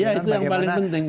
ya itu yang paling penting